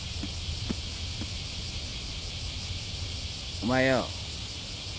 お前よ